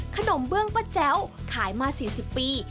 ขนมเบื้องปะแจ๊วขายมา๔๐ปี